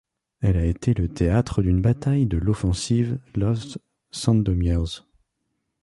Elle a été le théâtre d'une bataille de l'offensive Lvov–Sandomierz.